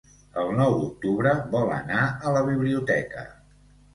El nou d'octubre vol anar a la biblioteca.